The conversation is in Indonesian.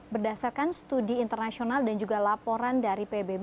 berdasarkan studi internasional dan juga laporan dari pbb